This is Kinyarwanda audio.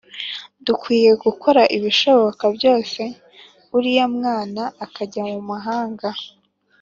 dukwiye gukora ibishoboka byose uriya mwana akajya mumahanga